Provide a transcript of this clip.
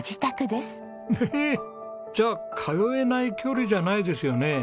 ええ？じゃあ通えない距離じゃないですよね。